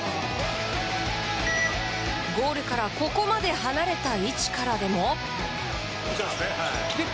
ゴールからここまで離れた位置からでも。